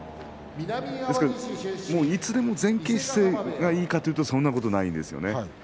ですから、いつでも前傾姿勢がいいかというと、そうでもないんです。